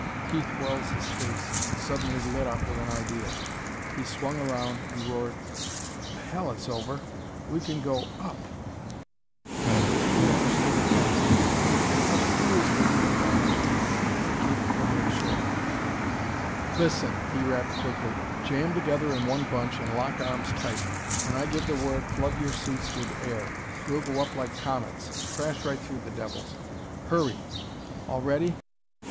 Keith Wells' face suddenly lit up with an idea. He swung around and roared: "The hell it's over! We can go up!" His crew understood at once. "What fools we " Graham began, but Keith cut him short. "Listen," he rapped quickly. "Jam together in one bunch and lock arms tight. When I give the word, flood your suits with air. We'll go up like comets; crash right through the devils.... Hurry!... All ready?"